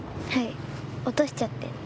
はい落としちゃって。